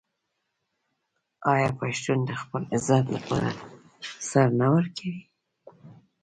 آیا پښتون د خپل عزت لپاره سر نه ورکوي؟